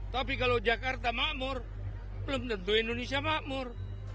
tapi kalau jakarta makmur belum tentu indonesia makmur